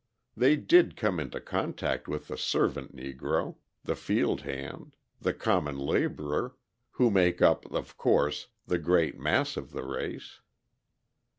They did come into contact with the servant Negro, the field hand, the common labourer, who make up, of course, the great mass of the race.